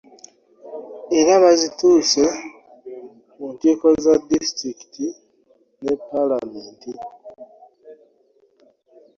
Era bazituuse mu nkiiko za disitulikiti ne palamenti.